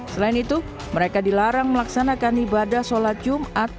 selain itu mereka dilarang melaksanakan ibadah sholat jumat